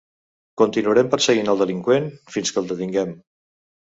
Continuarem perseguint el delinqüent fins que el detinguem.